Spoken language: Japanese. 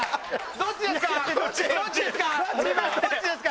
どっちですか？